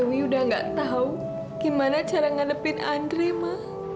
dewi udah gak tau gimana cara ngadepin andre ma